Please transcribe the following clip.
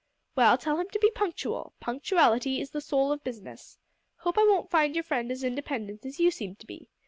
"Well, tell him to be punctual. Punctuality is the soul of business. Hope I won't find your friend as independent as you seem to be!